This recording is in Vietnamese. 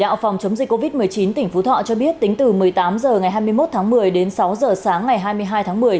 đạo phòng chống dịch covid một mươi chín tỉnh phú thọ cho biết tính từ một mươi tám h ngày hai mươi một tháng một mươi đến sáu h sáng ngày hai mươi hai tháng một mươi